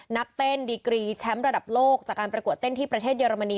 นักเต้นดีกรีแชมป์ระดับโลกจากการประกวดเต้นที่ประเทศเยอรมนี